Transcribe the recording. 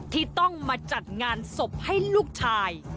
ที่ต้องมาจัดงานศพให้ลูกชาย